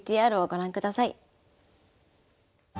ＶＴＲをご覧ください。